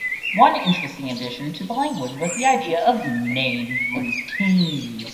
One interesting addition to the language was the idea of named routines.